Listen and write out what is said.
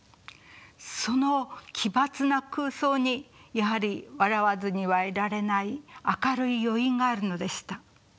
その奇抜な空想にやはり笑わずにはいられない明るい余韻があるのでした。